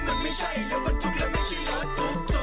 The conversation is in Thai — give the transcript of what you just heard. มันไม่ใช่เรือประทุกและไม่ใช่เรือตุ๊ก